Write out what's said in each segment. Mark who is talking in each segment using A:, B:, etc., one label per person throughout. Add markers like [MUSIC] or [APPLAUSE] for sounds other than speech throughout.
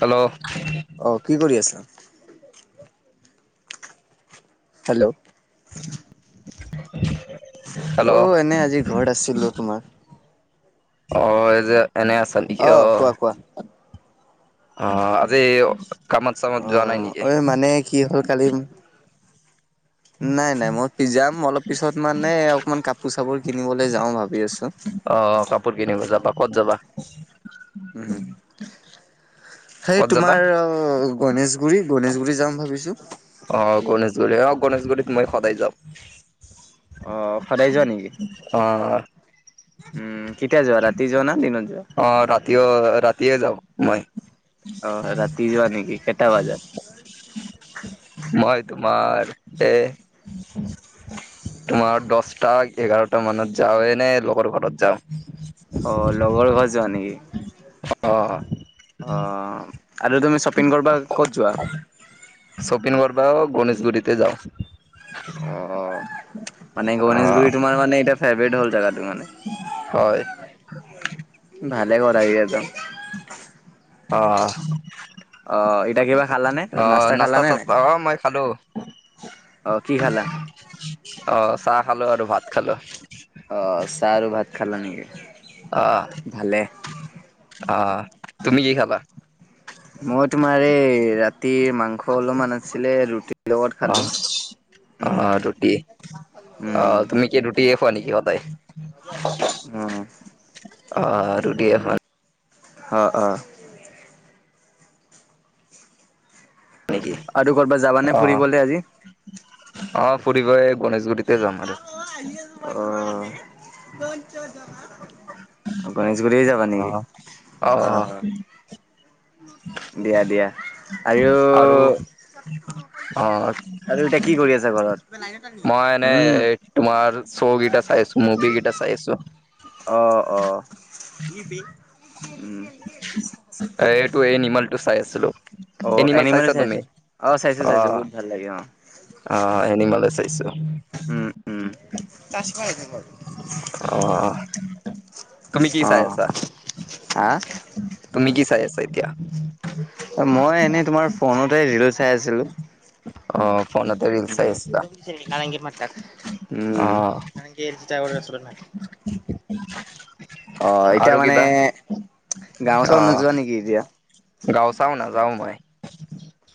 A: Hello.
B: অ' কি কৰি আছা। হেল্ল'।
A: [UNINTELLIGIBLE] হেল্ল'
B: অ' এনেই আজি ঘৰত আছিলো তোমাৰ।
A: অ এ যে এনেই আছে নেকি অ'
B: কোৱা কোৱা।
A: অহ আজি কামত, চামত
B: অ
A: যোৱা নাই নেকি?
B: ঐ মানে কি হ'ল কালি নাই নাই মই কি যাম অলপ পিছত মানে অকমান কাপোৰ চাপোৰ কিনিবলৈ যাওঁ ভাবি আছো।
A: অ' কাপোৰ কিনিব যাবা ক'ত যাবা?
B: উ সেই
A: ক'ত যাবা
B: তোমাৰ অ' গণেশগুৰি, গনেশগুৰি যাম ভাবিছো।
A: অ' গণেশগুৰি অ' গণেশগুৰিত মই সদায় যাওঁ।
B: অ' সদায় যোৱা নেকি
A: অ
B: উম, কেতিয়া যোৱা ৰাতি যোৱা না দিনত যোৱা।
A: অ' ৰাতিও ৰাতিয়ে যাওঁ মই।
B: অ ৰাতি যোৱা নেকি কেইটা বজাত।
A: মই তোমাৰ এ তোমাৰ দহটা, এঘাৰটা মানত যাও এনে লগৰটোৰ ঘৰত যাওঁ।
B: অ' লগৰ ঘৰৰ যোৱা নেকি?
A: অ'।
B: অ' আৰু তুমি শ্বপিং কৰিব ক'ত যোৱা।
A: শ্বপিং কৰবাও গণেশগুৰিতে যাওঁ।
B: অ' মানে
A: অ
B: গণেশগুৰি তোমাৰ মানে এ ফেভাৰেট হ'ল জেগাটো মানে।
A: হয়।
B: ভালে কৰা এৰিয়াত যাওঁ।
A: অহ।
B: অ', এতিয়া কিবা খালানে, নাস্তা খালানে নাই?
A: অ'নাস্তা-চাস্তা অ' মই খালো।
B: অ' কি খালা।
A: অ' চাহ খালো আৰু ভাত খালো।
B: অ' চাহ আৰু ভাত খালা নেকি?
A: অ'
B: ভালে,
A: আহ তুমি কি খাবা।
B: মই তোমাৰ এই ৰাতিৰ মাংস অলপমান আছিলে ৰুটি
A: অ'। অ' তুমি
B: উম,
A: অ' তুমি কি ৰুটি খুৱা নেকি সদায়।
B: উম,
A: অ' আৰু [UNINTELLIGIBLE]
B: অ' অ'।
A: নেকি
B: আৰু ক'ৰবাত যাবানে
A: অ
B: ফুৰিবলে আজি?
A: অ ফুৰিব গণেশগুৰিতে যাম আৰু।
B: অহ গণেশগুৰি যাবা নেকি
A: অহ অহ
B: অ দিয়া দিয়া। আৰু,
A: আৰু অহ
B: আৰু এতিয়া কি কৰি আছে ঘৰত
A: মই এনে
B: উম,
A: তোমাৰ শ্ব' কেইটা চাইছো মুভি কেইটা চাই আছো।
B: অ অ উম
A: এইটো এই নিমলটো চাই আছিলো
B: অ এনিমেল
A: চাইছা তুমি?
B: চাইছো অ চাইছো চাইছো বহুত ভাল লাগে অ।
A: অ এনিমেল চাইছো।
B: উম, উম,
A: অহ তুমি কি চাই আছা।
B: হা‌
A: তুমি কি চাই আছা এতিয়া।
B: মই এনেই তোমাৰ ফোনতে ৰিল চাই আছিলো।
A: অ ফোনতে। ৰিল
B: উম [INAUDIBLE]
A: চাই আছিলা
B: উম
A: অহ
B: [INAUDIBLE]
A: [UNINTELLIGIBLE]
B: অ এতিয়া
A: আৰু
B: মানে
A: কিবা?
B: গাও ওচৰত
A: অ',
B: নোযোৱা নেকি এতিয়া।
A: গাঁও চাও নাযাও মই।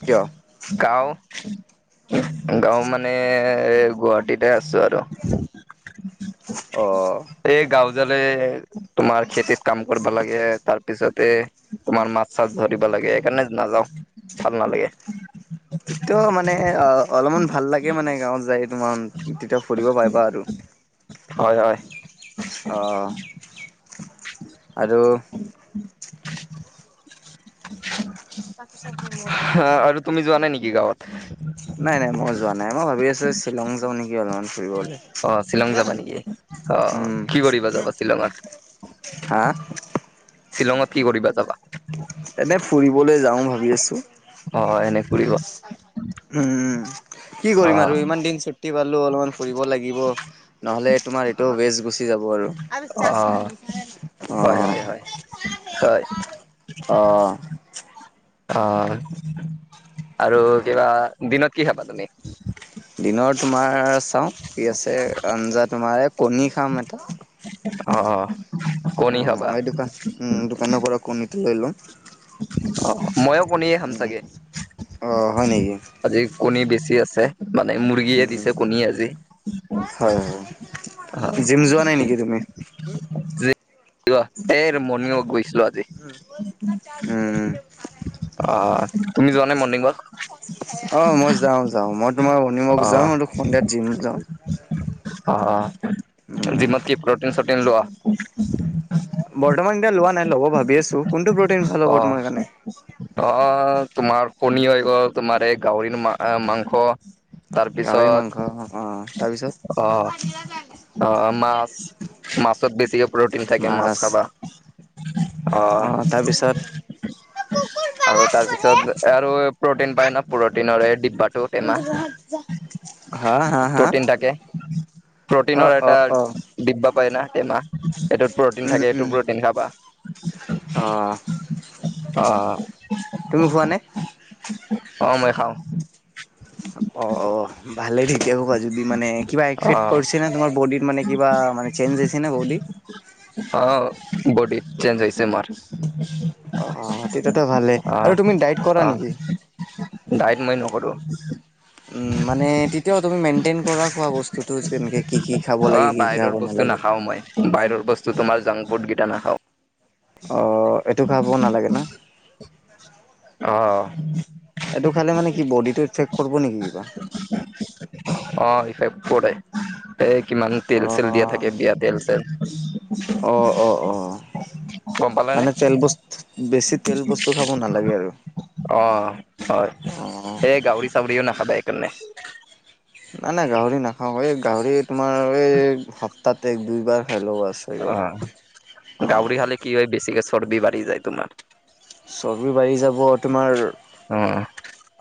B: কিয়
A: গাঁও। গাঁও মানে গুৱাহাটীতে আছো আৰু।
B: অঁ
A: এই গাঁওজালে তোমাৰ খেতিত কাম কৰিব লাগে তাৰ পিছতে তোমাৰ মাছ চাছ ধৰিব লাগে সেইকাৰণে নাযাও ভাল নালাগে।
B: তেতিয়া মানে অ অলপমান ভাল লাগে মানে গাঁৱত যায় তোমাৰ তেতিয়া ফুৰিব পাৰিবা আৰু।
A: হয় হয়
B: অঁ আৰু
A: [UNINTELLIGIBLE]
B: তাক চাব মোৰ আছে
A: আৰু তুমি যোৱা নাই নেকি গাঁৱত।
B: নাই নাই মই যোৱা নাই মই ভাবি আছো শ্বিলং যাওঁ নেকি অলপমান ফুৰিবলৈ।
A: অ শ্বিলং যাবা নেকি অ
B: উম,
A: কি কৰিবা যাবা শ্বিলঙত।
B: হা
A: শ্বিলঙত কি কৰিবা যাবা।
B: এনে ফুৰিবলৈ যাও ভাবি আছো।
A: অ এনেই ফুৰিব।
B: উম কি কৰিম আৰু
A: অ',
B: ইমান দিন চু কি পালো অলপমান ফুৰিব লাগিব নহ'লে তোমাৰ এইটোও বেছ গুচি
A: অ', হয় হয় হয় হয়।
B: [UNINTELLIGIBLE] অ'
A: অ আৰু কিবা দিনত কি খাবা তুমি?
B: দিনৰ তোমাৰ চাওঁ কি আছে আঞ্জা তোমাৰ এই কণী খাম এটা,
A: অ, অ,
B: অ
A: কণী খাবা
B: এই দোকান উ দোকানৰ পৰা কণীটো লৈ লম।
A: অ ময়ো কণীয়ে খাম
B: উম
A: চাগে।
B: অঁ হয় নেকি?
A: আজি কণী বেছি আছে মানে মুৰ্গীয়ে
B: উম
A: দিছে কণী আজি,
B: হয় হয় জিম যোৱা নাই নেকি তুমি?
A: জিম নাই যোৱা এই মৰ্ণিং ৱাক গৈছিলো আজি।
B: উম উম,
A: অ তুমি যোৱা নাই মৰ্ণিং ৱাক?
B: অ মই যাওঁ যাও মই তোমাৰ মৰ্নিং
A: অ
B: ৱাৰ্ক যাও আৰু সন্ধিয়াত জিম যাওঁ।
A: অ
B: উম
A: জিমত কি প্ৰটিন চটিন লোৱা?
B: বৰ্তমান এতিয়া লোৱা নাই ল'ব ভাবি আছো কোনটো প্ৰটিন ভাল
A: অ
B: তোমাৰ কাৰণে?
A: অ তোমাৰ কণী হৈ গ'ল তোমাৰ এই গাহৰি মা মাংস,
B: গাহৰি
A: তাৰপিছত
B: মাংস অ', তাৰপিছত
A: অহ অ মাছ মাছত বেছিকে প্ৰটিন থাকে মাছ খাবা। অ, আৰু তাৰ পিছত আৰু প্ৰটিন পায় ন প্ৰটিনৰ এই ডি
B: কোনটো গ্ৰহত যা
A: প্ৰটিন থাকে, প্ৰটিনৰ
B: অ',
A: এটা
B: অ', অ',
A: দিব্বা পাই ন টেমা সেইটোত প্ৰ'টিন
B: উম,
A: থাকে এইটো
B: উম,
A: প্ৰটিন খাবা।
B: অ,
A: অহ,
B: তুমি খোৱা নে?
A: অ মই খাওঁ।
B: অঁ অ, ভালেই ঠিকে ক'বা যদি মানে কিবা
A: অ
B: এফেক্ট পৰিছে ন তোমাৰ বডীত মানে কিবা মানে চেঞ্জ হৈছে নে বডী?
A: অ বডী চেঞ্জ হৈছে মাৰ।
B: অ তেতিয়াতো ভালে। আৰু তুমি ডাইট কৰা
A: অ
B: নেকি?
A: ডাইট মই নকৰো।
B: উম, মানে তেতিয়াও তুমি মেইনটেইন কৰা খোৱা বস্তুটো যে এনেকৈ কি কি খাব
A: অ
B: লাগে কি কি
A: বাহিৰৰ
B: খাব
A: বস্তু
B: নালাগে।
A: নাখাও মই বাহিৰৰ বস্তু তোমাৰ জংক ফুড কেইটা নাখাওঁ।
B: অ এইটো খাব নালাগে না।
A: অ,
B: এইটো খালে মানে কি বডীটো ইফেক্ট কৰিব নেকি কিবা?
A: অ ইফেক্ট কৰে। এই কিমান তেল চেল দিয়া
B: অ',
A: থাকে বিয়া তেল চেল।
B: অ অ অ
A: গম পালানে
B: মানে তেল বস্তু বেছি তেল বস্তু খাব নালাগে আৰু।
A: অ হয় এই গাহৰি চাহৰিও নাখাবা এইকাৰণে।
B: নাই নাই গাহৰি নাখাও এই গাহৰি তোমাৰ এই সপ্তাহতে এক দুইবাৰ খাই ল'ব আছে।
A: অ গাহৰি খালে কি হয় বেছিকে চৰ্বি বাঢ়ি যায় তোমাৰ।
B: চৰ্বি বাঢ়ি যাব তোমাৰ,
A: উম,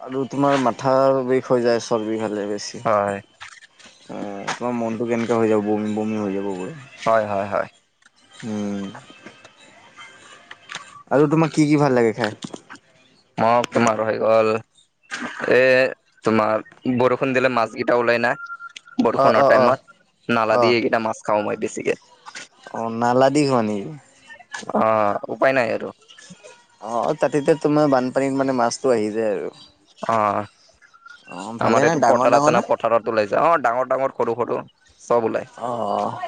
B: আৰু তোমাৰ মাথাৰ বিষ হৈ যায় চৰ্বি খালে বেছি।
A: হয়,
B: অঁ তোমাৰ মনটো কেনেকৈ হৈ যাব বমি বমি হৈ যাব পুৰা।
A: হয়, হয়, হয়,
B: উম, আৰু তোমাক কি কি ভাল লাগে খাই?
A: মই তোমাৰ হৈ গ'ল এ, তোমাৰ বৰষুণ দিলে মাছকেইটা ওলাই না।
B: অ',
A: বৰষুণৰ
B: অ', অ',
A: টাইমত, নালা
B: অ',
A: দিয়ে এইকেইটা মাছ খাও মই বেছিকে।
B: অ, নালা দি খোৱা নেকি?
A: অ, উপায় নাই আৰু।
B: অ, তাতে তোমাৰ বানপানীত মানে মাছটো আহি যায় আৰু।
A: অ,
B: অ', ভালে
A: আমাৰ
B: না
A: এইটো
B: ডাঙৰ
A: পথাৰ আছে
B: ডাঙৰ
A: ন,
B: না?
A: পথাৰত ওলাই। অ, ডাঙৰ-ডাঙৰ সৰু-সৰু চব ওলাই।
B: অঁ,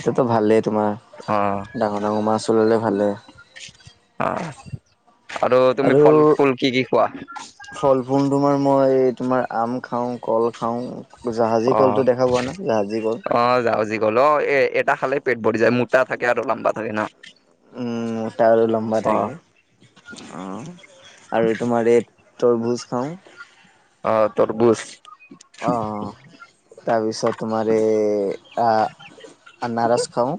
B: এতিয়াতো ভালেই তোমাৰ,
A: অ'।
B: ডাঙৰ-ডাঙৰ মাছ ওলালে ভালেই।
A: অ, আৰু তুমি ফল-ফুল কি কি খোৱা?
B: ফল-মূল তোমাৰ মই, তোমাৰ আম খাওঁ, কল খাওঁ জাহাজী কলটো দেখা পোৱা ন, জাহাজী কল।
A: পাওঁ, জাহাজী কল, অ, এটা খালে পেট ভৰি যায়, মোটা থাকে আৰু লাম্বা থাকে ন।
B: মোটা আৰু লাম্বা থাকে, অঁ। আৰু তোমাৰ এই তৰবুজ খাওঁ।
A: অ, তৰবুজ।
B: অ, অ। তাৰপিছত তোমাৰ এই আনাৰস খাওঁ।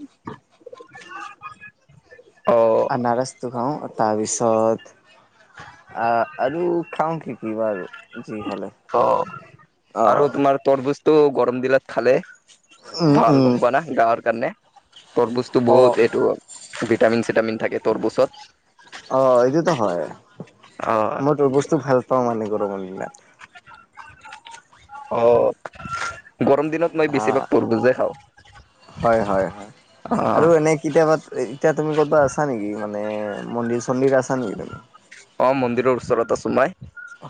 A: অ।
B: আনাৰসটো খাওঁ। তাৰপিছত আহ, আৰু খাওঁ কি কি [UNINTELLIGIBLE]
A: অ,
B: অ
A: আৰু তোমাৰ তৰবুজ টো গৰম দিনত খালে
B: উম
A: ভাল
B: উম
A: গম পোৱা না, গাৰ কাৰণে। তৰবুজটো
B: অ
A: বহুত এইটো ভিটামিন-চিটামিন থাকে তৰবুজত।
B: অ, এইটোতো হয়।
A: অ
B: মই তৰবুজটো ভাল পাওঁ মানে গৰমৰ দিনত।
A: অ, গৰম দিনত মই
B: অ,
A: বেছিভাগ তৰবুজে খাওঁ
B: হয়, হয়, হয়,
A: অ
B: আৰু এনেই কেতিয়াবা এতিয়া তুমি ক'ৰবাত আছা নেকি? মানে মন্দিৰ-চন্দিৰ আছা নেকি তুমি?
A: অ, মন্দিৰৰ ওচৰত আছো মই।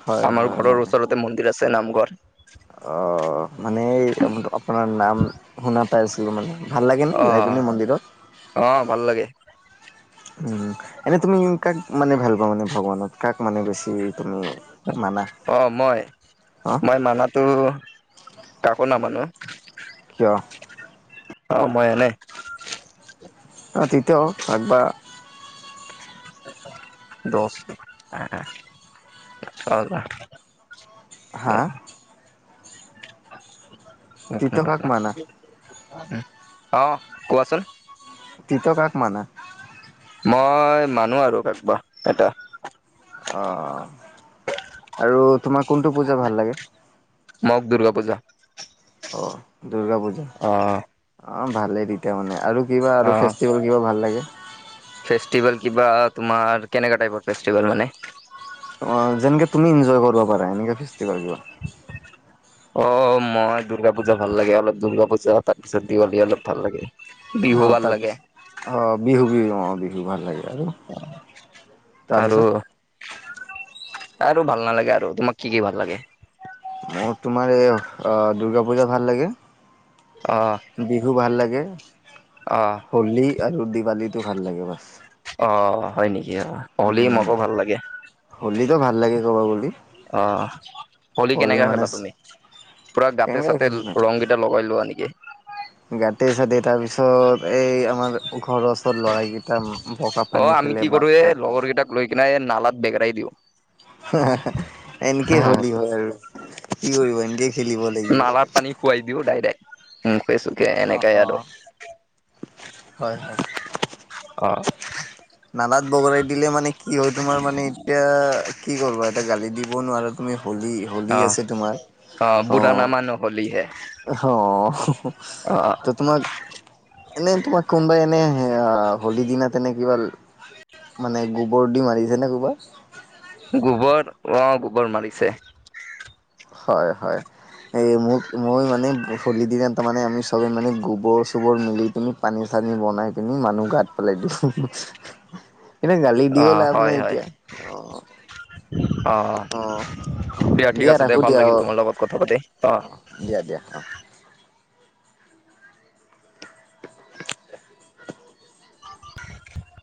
B: হয়
A: আমাৰ
B: হয়
A: ঘৰৰ
B: মানে
A: ওচৰতে মন্দিৰ আছে নামঘৰ।
B: অ, মানে আপোনাৰ নাম শুনা পাই আছিলোঁ মানে, ভাল
A: অ
B: লাগেনে যাই পিনি মন্দিৰত?
A: অ, ভাল লাগে।
B: উম, এনে তুমি কাক মানে ভাল পোৱা মানে ভগৱানত? কাক মানে বেছি? তুমি মানা
A: অ, মই!
B: অ
A: মই মানাতো কাকো নামানো।
B: কিয়?
A: অ, মই এনে।
B: তেতিয়াও [UNINTELLIGIBLE]
A: [UNINTELLIGIBLE]
B: হা! তিথ কাক মানা
A: [UNINTELLIGIBLE] অ, কোৱাচোন?
B: [UNINTELLIGIBLE] কাক মানা?
A: মই মানো আৰু কাৰোবা এটা।
B: অ, আৰু তোমাৰ কোনটো পূজা ভাল লাগে?
A: মগ দুৰ্গা পূজা
B: অ দুৰ্গা পূজা
A: অ
B: অ ভালেই তেতিয়া মানে আৰু কিবা
A: অ
B: আৰু ফেষ্টিভেল কিবা ভাল লাগে
A: ফেষ্টিভেল কিবা তোমাৰ কেনেকা টাইপৰ ফেষ্টিভেল মানে
B: অ যেনেকে তুমি ইনজয় কৰিব পাৰা এনেকে ফেষ্টিভেল কিবা
A: অ মই দুৰ্গা পূজা ভাল লাগে অলপ দুৰ্গা পূজা তাৰপিছত দিৱালী অলপ ভাল লাগে বিহু
B: অ
A: ভাল
B: তাৰ
A: লাগে
B: পিছত অ বিহু বিহু অ বিহু ভাল লাগে আৰু
A: আৰু
B: তাৰপিছত
A: আৰু ভাল নালাগে আৰু তোমাক কি কি ভাল লাগে
B: মোৰ তোমাৰ এই অ দুৰ্গা পূজা ভাল লাগে
A: অ
B: বিহু ভাল লাগে
A: অঁ
B: হলী আৰু দিৱালীটো ভাল লাগে বা
A: অ হয় নেকি অ হলি
B: উম
A: মোকো ভাল লাগে
B: হোলীটো ভাল লাগে ক'ব গ'লে
A: অহ হলি
B: হোলী
A: কেনেকা খেলা
B: মানে
A: তুমি পুৰা গাতে চাতে
B: কেনেকে
A: ৰং কেইটা লগাই লোৱা নেকি
B: গাতে চাতে তাৰ পিছত এই আমাৰ ঘৰ ওচৰ ল'ৰাকি গেতা বকা
A: অ
B: পানী
A: আমি কি
B: খেলে
A: কৰো এ
B: বাপৰে
A: লগৰ
B: বাপ
A: কেইটাক লৈ কিনাই এই নালাত বেগৰাই দিওঁ
B: এনেকেই হলী হয় আৰু কি কৰিব এনেকে খেলিব লাগিব।
A: নালা পানী খোৱাই দিও ডাইৰেক্ট মুখে-চুখে
B: অ
A: এনেকাই
B: অ
A: আৰু
B: হয় হয়
A: অ
B: নালাত বগৰাই দিলে মানে কি হয় তোমাৰ মানে এতিয়া কি কৰিবা এটা গালি দিব নোৱাৰা তুমি হলি হলি
A: অ
B: আছে তোমাৰ অ
A: বুঢ়া নামানো হলি হে
B: অহ হ হ
A: অ
B: ত তোমাক এনেই তোমাক কোনবাই এনেই অ হলি দিনা তেনে কিবা মানে গোবৰ দি মাৰিছেনে কোনবা
A: গোবৰ অ গোবৰ মাৰিছে
B: হয় হয় এই মোক মই মানে হলিৰ দিনা তাৰমানে আমি চবে মানে গোবৰ চোবৰ মিলি পিনি পানী চানী বনাই পিনি মানুহ গাত পেলাই দিওঁ এনে গালি
A: অ
B: দিও লাভ নাই
A: হয় হয়
B: এতিয়া। অ',
A: অ
B: অ', অ',
A: দিয়া ঠিক আছে
B: ৰাখো
A: দিয়া ভাল লাগিল
B: অ',
A: তোমাৰ লগত কথা পাতি অ
B: দিয়া দিয়া অঁ